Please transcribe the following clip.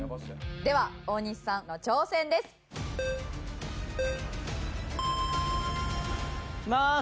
では大西さんの挑戦です。いきまーす。